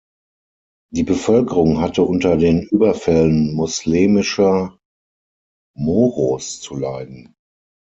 Die Bevölkerung hatte unter den Überfällen moslemischer Moros zu leiden.